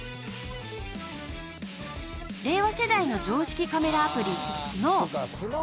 ［令和世代の常識カメラアプリ］